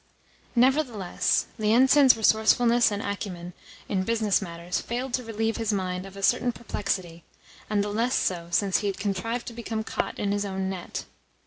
Nevertheless Lienitsin's resourcefulness and acumen in business matters failed to relieve his mind of a certain perplexity and the less so since he had contrived to become caught in his own net.